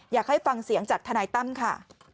อยากให้ฟังเสียงจากทนายตั้มค่ะ